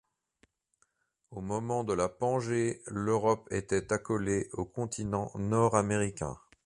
Au moment de la Pangée, l'Europe était accolée au continent nord-américain.